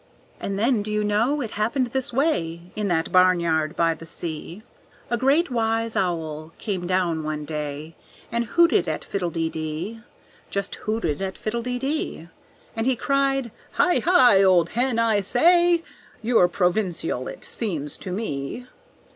And then do you know, it happened this way In that barnyard by the sea; A great wise owl came down one day, And hooted at Fiddle de dee, Just hooted at Fiddle de dee. And he cried, "Hi! Hi! old hen, I say! You're provincial, it seems to me!"